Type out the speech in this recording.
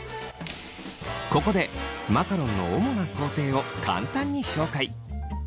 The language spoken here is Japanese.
ここでマカロンの主な工程を簡単に紹介。